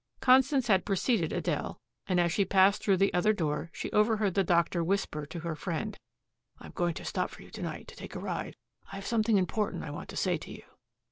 Constance had preceded Adele, and, as she passed through the other door, she overheard the doctor whisper to her friend, "I'm going to stop for you to night to take a ride. I have something important I want to say to you."